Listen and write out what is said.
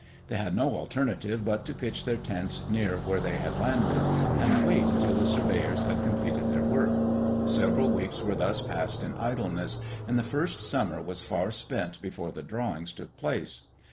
They had no alternative but to pitch their tents near where they had landed, and wait until the surveyors had completed their work. Several weeks were thus passed in idleness, and the first summer was far spent before the "drawings" took place.